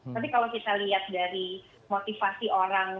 tapi kalau kita lihat dari motivasi orang